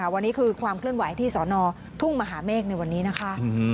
วันนี้คือความเคลื่อนไหวที่สอนอทุ่งมหาเมฆในวันนี้นะคะ